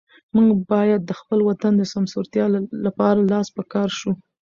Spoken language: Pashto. موږ باید د خپل وطن د سمسورتیا لپاره لاس په کار شو.